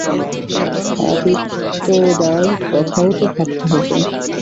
আদিত্যদার কথাও তো ভাবতে হবে।